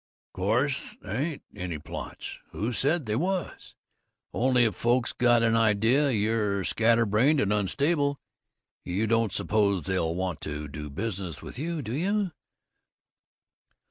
"Course th' ain't any plots. Who said they was? Only if folks get an idea you're scatter brained and unstable, you don't suppose they'll want to do business with you, do you?